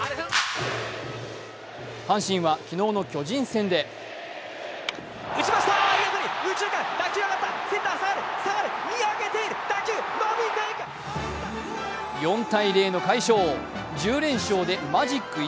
阪神は昨日の巨人戦で４−０の快勝、１０連勝でマジック１。